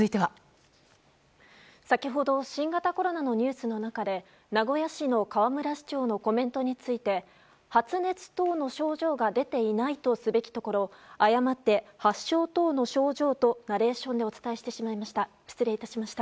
先ほど、新型コロナのニュースの中で名古屋市の河村市長のコメントについて発熱等の症状が出ていないとすべきところを誤って、発症等の症状とナレーションでお伝えしてしまいました。